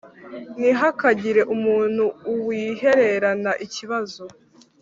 Ntihakagire umuntu uwihererana ikibazo.